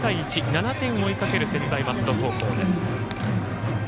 ７点を追いかける専大松戸高校。